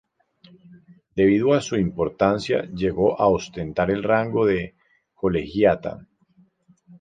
Debido a su importancia llegó a ostentar el rango de colegiata.